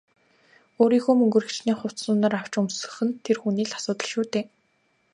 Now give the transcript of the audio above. Өөрийнхөө мөнгөөр хэчнээн хувцас хунар авч өмсөх нь тэр хүний л асуудал шүү дээ.